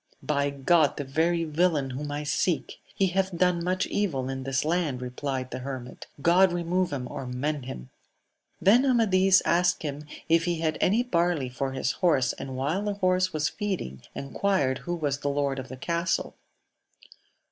By God the very villain whom I seek !— He hath done much evil in this land, replied the hermit. God remove him or mend him !— Then Amadis asked him if he had any barley for his horse ; and while the horse was feeding, enquired who was the lord of the castle.